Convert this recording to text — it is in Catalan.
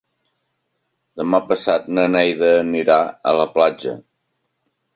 Demà passat na Neida anirà a la platja.